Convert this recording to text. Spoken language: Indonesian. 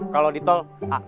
kalau di tol